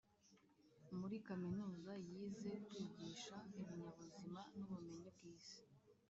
muri kaminuza, yize kwigisha ibinyabuzima n’ubumenyi bw’isi,